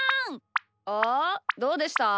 おおどうでした？